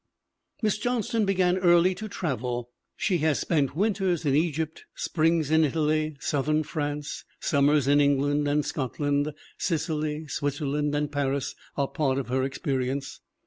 Miss Johnston began early to travel. She has spent winters in Egypt, springs in Italy, Southern France; summers in England and Scotland; Sicily, Switzer land and Paris are part of her experience.